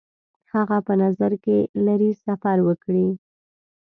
هغه په نظر کې لري سفر وکړي.